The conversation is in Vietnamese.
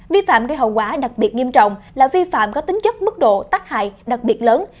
vi phạm gây hậu quả đặc biệt nghiêm trọng là vi phạm có tính chất mức độ tắc hại đặc biệt lớn